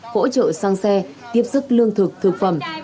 hỗ trợ xăng xe tiếp xức lương thực thực phẩm